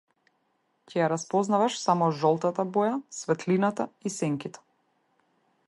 Ќе ја распознаваш само жолтата боја, светлината и сенките.